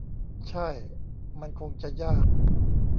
ใช่ มันคงจะยาก